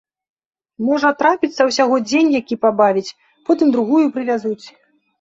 Можа, трапіцца ўсяго дзень які пабавіць, потым другую прывязуць.